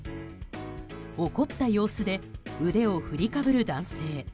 怒った様子で腕を振りかぶる男性。